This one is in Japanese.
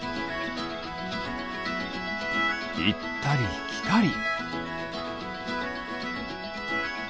いったりきたり。